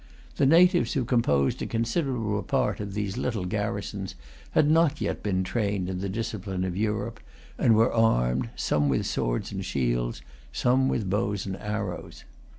The natives who composed a considerable part of these little garrisons, had not yet been trained in the discipline of Europe, and were armed, some with swords and shields, some with bows and arrows.